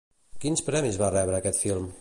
Quins premis va rebre aquest film?